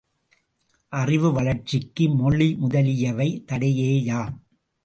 அறிவு வளர்ச்சிக்கு மொழி முதலியவை தடையேயாம்.